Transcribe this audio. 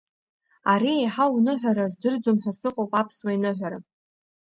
Ари еиҳау ныҳәара аздырӡом ҳәа сыҟоуп аԥсуа иныҳәара!